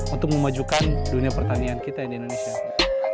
untuk memajukan dunia pertanian kita di indonesia